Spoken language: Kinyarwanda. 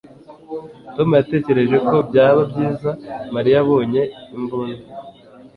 Tom yatekereje ko byaba byiza Mariya abonye imbunda